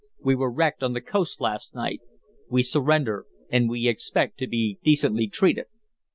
"We were wrecked on the coast last night. We surrender, and we expect to be decently treated."